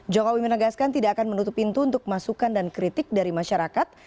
jokowi menegaskan tidak akan menutup pintu untuk masukan dan kritik dari masyarakat